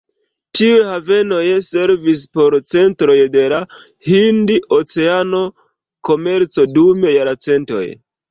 Tiuj havenoj servis por centroj de la hind-oceana komerco dum jarcentoj.